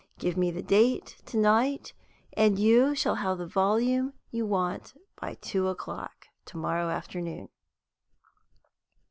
Give me the date to night, and you shall have the volume you want by two o'clock to morrow afternoon."